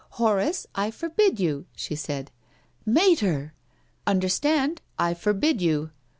" Horace, I forbid you," she said. " Mater!" " Understand — I forbid you."